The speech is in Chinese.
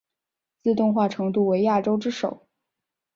自动化程度为亚洲之首。